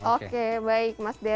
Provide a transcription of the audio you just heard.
oke baik mas dery